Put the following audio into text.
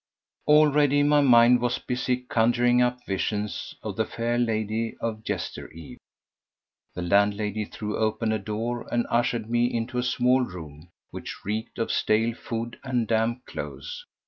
Already my mind was busy conjuring up visions of the fair lady of yester eve. The landlady threw open a door and ushered me into a small room which reeked of stale food and damp clothes.